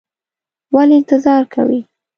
ولې انتظار کوې؟